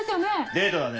デートだね。